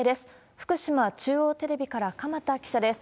福島中央テレビから鎌田記者です。